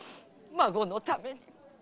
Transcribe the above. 孫のためにも！